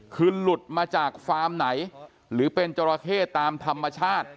คือหลุดมาจากฟาร์มไหนหรือเป็นจราเข้ตามธรรมชาติ